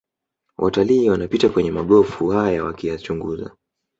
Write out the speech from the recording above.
Watalii wanapita kwenye magofu haya wakiyachunguza